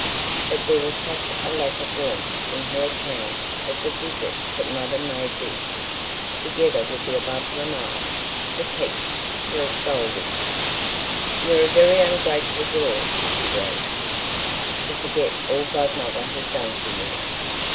But there was such a lack of warmth in her account of the visit that mother made this, together with the above remark, the text for a scolding. "YOU'RE A VERY UNGRATEFUL GIRL," she wrote, "TO FORGET ALL GODMOTHER HAS DONE FOR YOU.